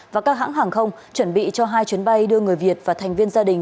và các hãng hàng không chuẩn bị cho hai chuyến bay đưa người việt và thành viên gia đình